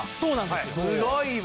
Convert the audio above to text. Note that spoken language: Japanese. すごいわ。